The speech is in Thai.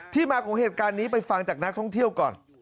มาของเหตุการณ์นี้ไปฟังจากนักท่องเที่ยวก่อน